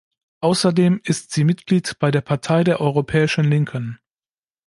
Außerdem ist sie Mitglied bei der Partei der Europäischen Linken.